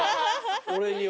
俺には。